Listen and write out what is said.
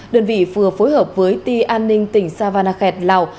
đơn vị vừa phối hợp với ti an ninh tỉnh savanakhet lào